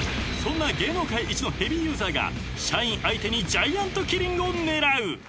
［そんな芸能界一のヘビーユーザーが社員相手にジャイアントキリングを狙う］